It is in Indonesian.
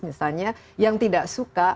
misalnya yang tidak suka